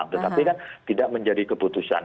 tetapi kan tidak menjadi keputusan